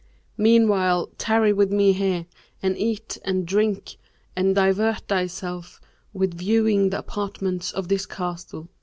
Meanwhile tarry with me here and eat and drink and divert thyself with viewing the apartments of this castle.'